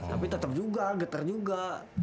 tapi tetep juga getar juga